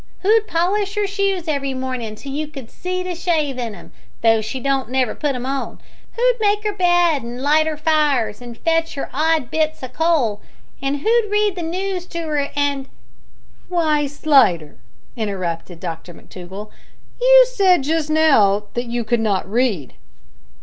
Who'd polish 'er shoes every mornin' till you could see to shave in 'em, though she don't never put 'em on? Who'd make 'er bed an' light 'er fires an' fetch 'er odd bits o' coal? An' who'd read the noos to 'er, an' " "Why, Slidder," interrupted Dr McTougall, "you said just now that you could not read."